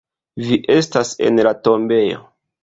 Vi estas en la tombejo.